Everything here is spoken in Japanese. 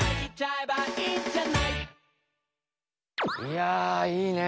いやいいね。